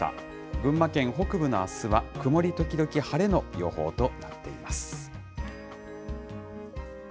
群馬県北部のあすは曇り時々晴れの予報となっています。